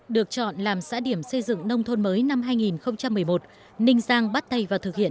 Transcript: được chọn làm xã điểm xây dựng nông thôn mới năm hai nghìn một mươi một ninh giang bắt tay vào thực hiện